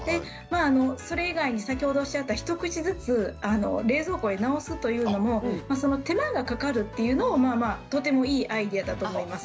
それ以外に先ほどおっしゃった一口ずつ冷蔵庫に入れ直すというのも手間がかかるというのもとてもいいアイデアだと思います。